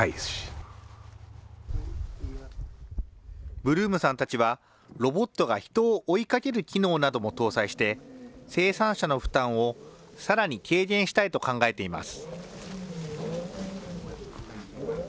ブルームさんたちは、ロボットが人を追いかける機能なども搭載して、生産者の負担をさらに軽減したいと考えています。